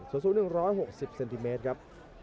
สู้สู้หนึ่ง๑๖๐เซนติเมตรครับ